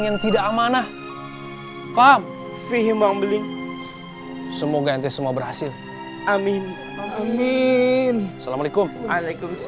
yang tidak amanah paham fihim bangbeli semoga ente semua berhasil amin amin assalamualaikum waalaikumsalam